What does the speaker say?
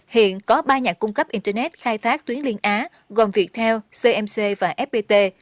hiện có ba nhà cung cấp internet khai thác tuyến liên á gồm viettel cmc và fpt